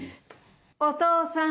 お父さん。